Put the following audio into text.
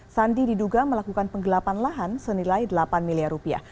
sandi diduga melakukan penggelapan lahan senilai delapan miliar rupiah